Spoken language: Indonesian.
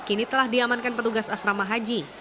kini telah diamankan petugas asrama haji